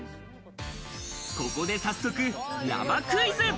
ここで早速ラマクイズ！